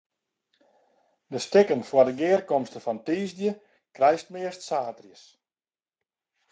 De stikken foar de gearkomste fan tiisdei krijst meast saterdeis.